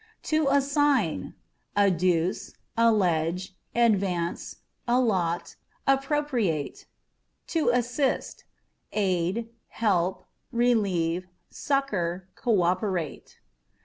To Assign â€" adduce, allege, advance ; allot, appropriate. To Assist â€" aid, help, relieve, succour, co operate.